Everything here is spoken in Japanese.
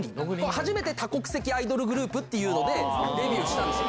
初めて多国籍アイドルグループっていうのでデビューしたんですよ。